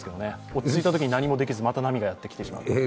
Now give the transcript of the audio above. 落ち着いたときに何もできずまた波がやってきてしまうと。